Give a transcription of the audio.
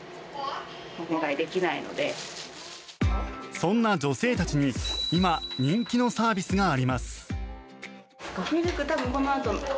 そんな女性たちに今、人気のサービスがあります。